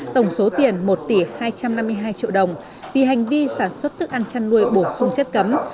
tổng số tiền một tỷ hai trăm năm mươi hai triệu đồng vì hành vi sản xuất thức ăn chăn nuôi bổ sung chất cấm